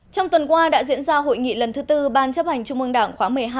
trong tuần qua đã diễn ra hội nghị lần thứ tư ban chấp hành trung mương đảng khóa một mươi hai